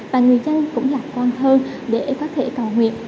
và người dân cũng lạc quan hơn để có thể cầu nguyện